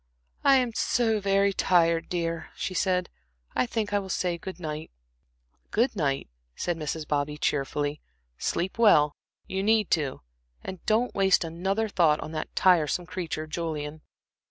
"I am so very tired, dear," she said. "I think I will say good night." "Good night," said Mrs. Bobby, cheerfully. "Sleep well you need to and don't waste another thought on that tiresome creature, Julian."